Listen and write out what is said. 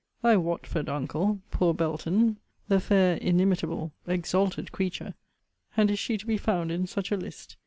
Thy Watford uncle, poor Belton, the fair inimitable, [exalted creature! and is she to be found in such a list!